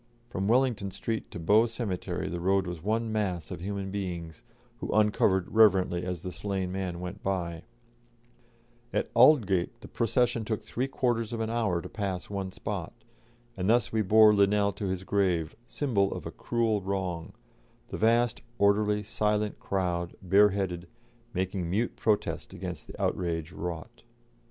From Wellington Street to Bow Cemetery the road was one mass of human beings, who uncovered reverently as the slain man went by; at Aldgate the procession took three quarters of an hour to pass one spot, and thus we bore Linnell to his grave, symbol of a cruel wrong, the vast orderly, silent crowd, bareheaded, making mute protest against the outrage wrought.